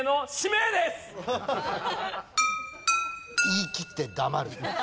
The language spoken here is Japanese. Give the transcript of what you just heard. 言いきって黙る。